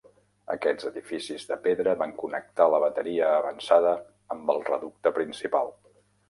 Aquests edificis de pedra van connectar la bateria avançada amb el reducte principal.